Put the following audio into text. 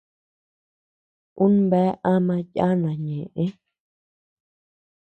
Un bea ama yana ñeʼë.